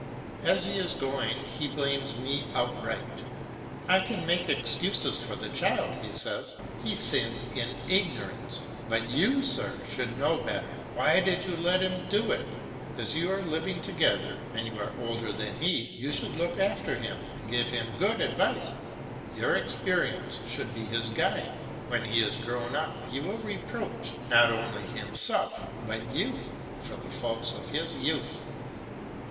As he is going he blames me out right. "I can make excuses for the child," he says, "he sinned in ignorance. But you, sir, should know better. Why did you let him do it? As you are living together and you are older than he, you should look after him and give him good advice. Your experience should be his guide. When he is grown up he will reproach, not only himself, but you, for the faults of his youth."